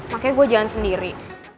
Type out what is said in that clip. makanya gue jalan sendiri